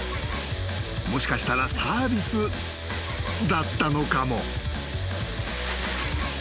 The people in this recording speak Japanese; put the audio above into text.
［もしかしたらサービスだったのかも］